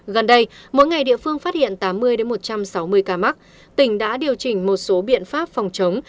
gần đây mỗi ngày địa phương phát hiện tám mươi một trăm sáu mươi ca mắc tỉnh đã điều chỉnh một số biện pháp phòng chống